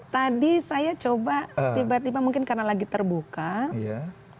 tadi saya coba tiba tiba mungkin karena lagi terbuka